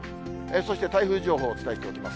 そして、台風情報をお伝えします。